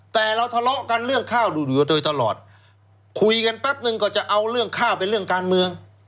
แต่เราทะเลาะกันเรื่องข้าวดูดอยู่โดยตลอดคุยกันแป๊บนึงก็จะเอาเรื่องข้าวเป็นเรื่องการเมือง